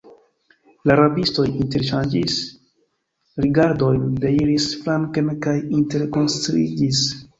La rabistoj interŝanĝis rigardojn, deiris flanken kaj interkonsiliĝis.